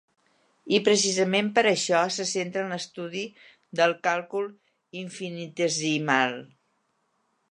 I precisament per això se centra en l'estudi del càlcul infinitesimal.